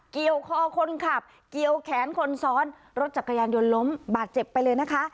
เกี่ยวคอคนขับเกี่ยวแขนคนซ้อนรถจักรยานยนต์ล้มบาดเจ็บไปเลยนะคะ